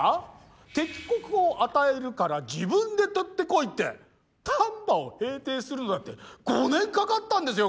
敵国を与えるから自分で取ってこいって丹波を平定するのだって５年かかったんですよ